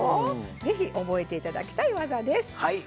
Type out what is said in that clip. ぜひ覚えて頂きたい技です。